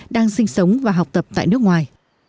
đang sinh sống và học tập tại nước ngoài